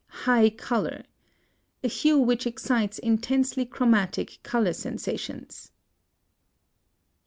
HIGH COLOR. A hue which excites intensely chromatic color sensations.